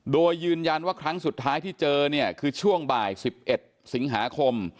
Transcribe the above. โดยยืนยันว่าครั้งสุดท้ายที่เจอเนี่ยคือช่วงบ่าย๑๑สิงหาคม